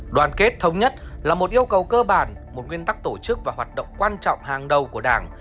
đoàn kết thống nhất là một yêu cầu cơ bản một nguyên tắc tổ chức và hoạt động quan trọng hàng đầu của đảng